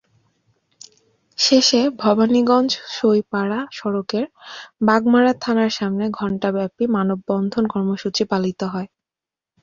শেষে ভবানীগঞ্জ-সইপাড়া সড়কের বাগমারা থানার সামনে ঘণ্টাব্যাপী মানববন্ধন কর্মসূচি পালিত হয়।